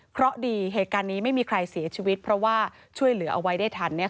เพราะดีเหตุการณ์นี้ไม่มีใครเสียชีวิตเพราะว่าช่วยเหลือเอาไว้ได้ทัน